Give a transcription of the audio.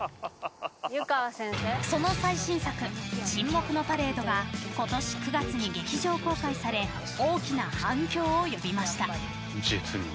その最新作「沈黙のパレード」が今年９月に劇場公開され大きな反響を呼びました。